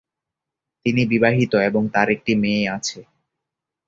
তিনি বিবাহিত এবং তার একটি মেয়ে আছে।